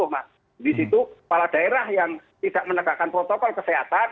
nah di situ kepala daerah yang tidak menegakkan protokol kesehatan